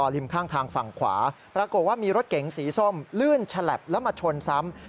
ลื่นฉลับแล้วมาชนซ้ำ